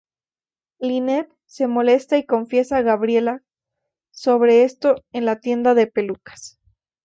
Lynette se molesta y confiesa a Gabrielle sobre esto en la tienda de pelucas.